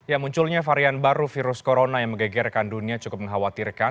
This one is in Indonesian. ya munculnya varian baru virus corona yang menggegerkan dunia cukup mengkhawatirkan